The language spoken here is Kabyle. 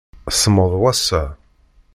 Semmeḍ wass-a.